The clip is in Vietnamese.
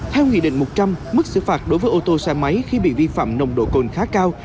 theo nghị định một trăm linh mức xử phạt đối với ô tô xe máy khi bị vi phạm nồng độ cồn khá cao